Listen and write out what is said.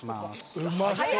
うまそう！